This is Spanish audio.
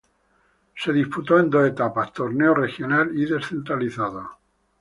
Se disputó en dos etapas: Torneo Regional y Descentralizado.